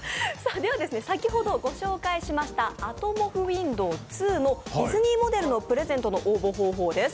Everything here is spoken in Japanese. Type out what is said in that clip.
では先ほどご紹介しましたＡｔｍｏｐｈＷｉｎｄｏｗ２ディズニーモデルのプレゼントの応募方法です。